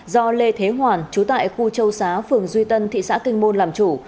do lê thế hoàn chú tại khu châu xá phường duy tân thị xã kinh môn làm chủ